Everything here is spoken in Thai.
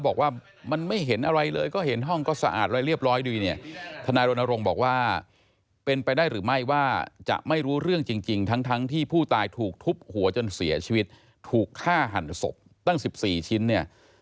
บอกว่าเป็นไปได้หรือไม่ว่าจะไม่รู้เรื่องจริงทั้งที่ผู้ตายถูกทุบหัวจนเสียชีวิตถูกฆ่าหั่นศพตั้ง๑๔ชิ้นเนี่ย